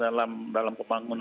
dan masyarakat juga merindukannya